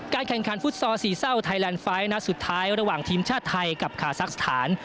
แข่งขันฟุตซอลสี่เศร้าไทยแลนด์ไฟล์นัดสุดท้ายระหว่างทีมชาติไทยกับคาซักสถาน